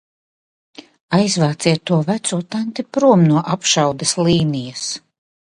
Aizvāciet to veco tanti prom no apšaudes līnijas!